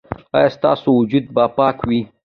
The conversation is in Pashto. ایا ستاسو وجود به پاک وي؟